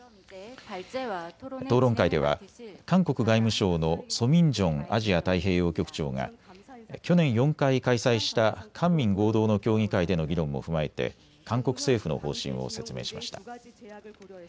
討論会では韓国外務省のソ・ミンジョンアジア太平洋局長が去年４回開催した官民合同の協議会での議論も踏まえて韓国政府の方針を説明しました。